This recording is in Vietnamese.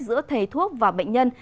giữa thầy thuốc và bệnh nhân